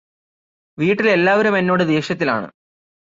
വീട്ടിൽ എല്ലാവരുമെന്നോട് ദേഷ്യത്തിലാണ്